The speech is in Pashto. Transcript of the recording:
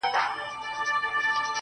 هغه زما زړه ته د کلو راهيسې لار کړې ده~